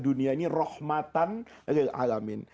dunia ini rahmatan lil'alamin